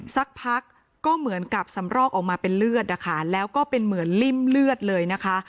สักพักก็เหมือนกับสำรอกออกมาเป็นเลือดนะคะแล้วก็เป็นเหมือนริ่มเลือดเลยนะคะ